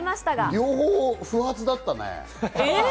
両方不発だったね。